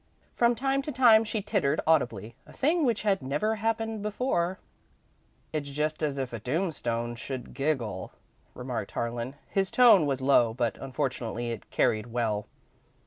From time to time she tittered audibly a thing which had never happened before. "It's just as if a tombstone should giggle," remarked Harlan. His tone was low, but unfortunately, it carried well.